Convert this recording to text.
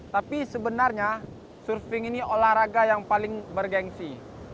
tapi sebenarnya surfing ini olahraga yang paling bergensi